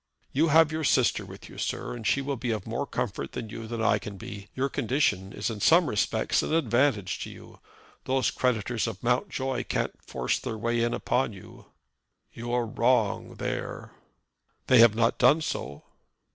"You have your sister with you, sir, and she will be of more comfort to you than I can be. Your condition is in some respects an advantage to you. These creditors of Mountjoy can't force their way in upon you." "You are wrong there." "They have not done so."